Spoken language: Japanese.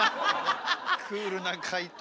クールな解答。